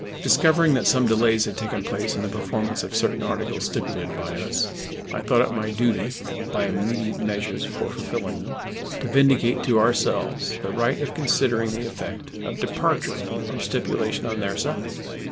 Discovering that some delays had taken place in the performance of certain articles stipulated by us, I thought it my duty, by immediate measures for fulfilling them, to vindicate to ourselves the right of considering the effect of departure from stipulation on their side.